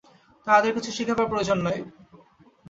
তাঁহাদের কিছু শিখিবার প্রয়োজন নাই।